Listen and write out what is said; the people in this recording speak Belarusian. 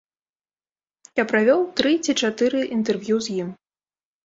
Я правёў тры ці чатыры інтэрв'ю з ім.